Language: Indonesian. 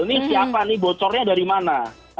ini siapa nih bocornya dari mana